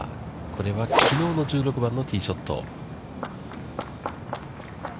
これは、きのうの１６番のティーショット。